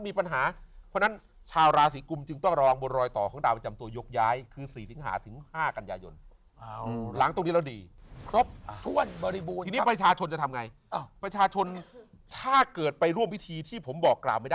มีปัญหาเพราะนั้นชาวราศรีกุม